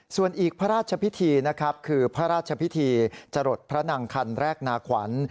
ส่วนอีกพระราชพิธีนะครับคือพระราชพิธีจรดพระนางคันแรกนาขวัญ